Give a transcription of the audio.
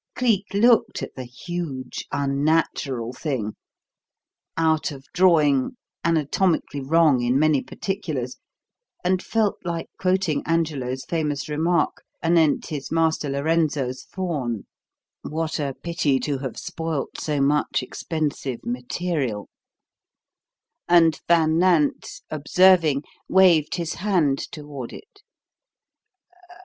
Cleek looked at the huge unnatural thing out of drawing, anatomically wrong in many particulars and felt like quoting Angelo's famous remark anent his master Lorenzo's faun: "What a pity to have spoilt so much expensive material," and Van Nant, observing, waved his hand toward it.